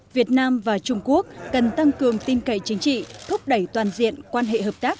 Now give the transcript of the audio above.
việt nam và trung quốc cần tăng cường tin cậy chính trị thúc đẩy toàn diện quan hệ hợp tác